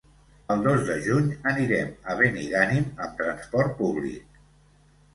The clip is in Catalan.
El dos de juny anirem a Benigànim amb transport públic.